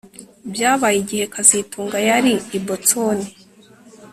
Byabaye igihe kazitunga yari i Boston